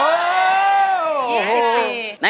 บุรูธกระยุอะไร